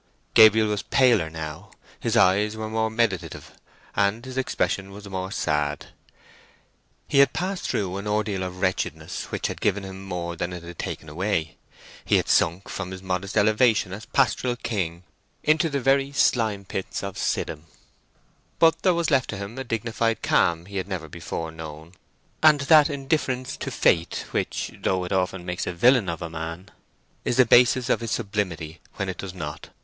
Gabriel was paler now. His eyes were more meditative, and his expression was more sad. He had passed through an ordeal of wretchedness which had given him more than it had taken away. He had sunk from his modest elevation as pastoral king into the very slime pits of Siddim; but there was left to him a dignified calm he had never before known, and that indifference to fate which, though it often makes a villain of a man, is the basis of his sublimity when it does not.